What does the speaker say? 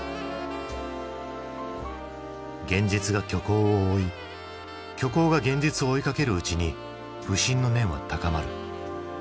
現実が虚構を追い虚構が現実を追いかけるうちに不信の念は高まる。